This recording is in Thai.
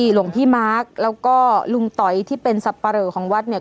หลวงพี่มาร์คแล้วก็ลุงต๋อยที่เป็นสับปะเหลอของวัดเนี่ย